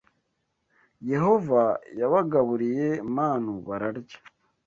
Yehova yabagaburiye manu bararya